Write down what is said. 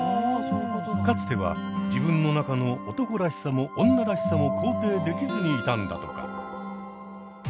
かつては自分の中の男らしさも女らしさも肯定できずにいたんだとか。